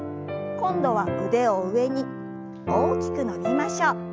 今度は腕を上に大きく伸びましょう。